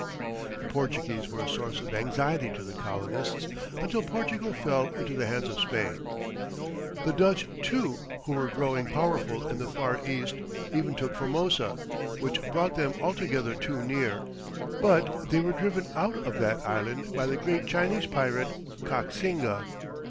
The Portuguese were a source of anxiety to the colonists until Portugal fell into the hands of Spain. The Dutch, too, who were growing powerful in the Far East, even took Formosa, which brought them altogether too near, but they were driven out of that island by the great Chinese pirate Koxinga.